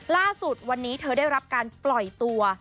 ล่าสุดวันนี้เธอได้รับการปล่อยตัว